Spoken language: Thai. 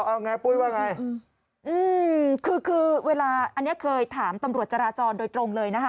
เอาไงปุ้ยว่าไงอืมคือคือเวลาอันนี้เคยถามตำรวจจราจรโดยตรงเลยนะคะ